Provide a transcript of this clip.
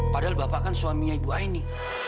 padahal bapak kan suaminya ibu aini